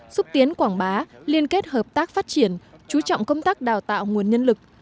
xúc tiến quảng bá liên kết hợp tác phát triển chú trọng công tác đào tạo nguồn nhân lực